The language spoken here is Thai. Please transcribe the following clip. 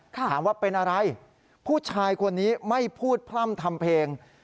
ถามว่าเป็นอะไรผู้ชายคนนี้ไม่พูดพร่ำทำเพลง